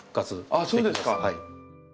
あっそうですか。